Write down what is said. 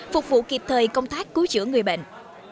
phục vụ kịp thời công tác cứu chữa người bệnh